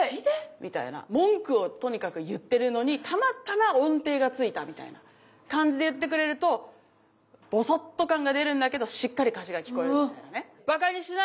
みたいな文句をとにかく言ってるのにたまたま音程が付いたみたいな感じで言ってくれるとボソッと感が出るんだけどしっかり歌詞が聴こえるみたいなね。